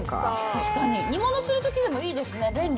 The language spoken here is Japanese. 確かに煮物するときにもいいですね、便利。